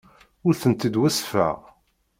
Ur tent-id-weṣṣfeɣ.